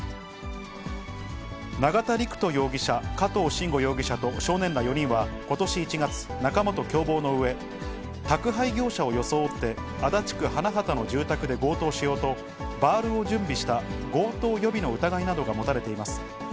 永田陸人容疑者、加藤臣吾容疑者と少年ら４人はことし１月、仲間と共謀のうえ、宅配業者を装って、足立区花畑の住宅で強盗しようと、バールを準備した強盗予備の疑いなどが持たれています。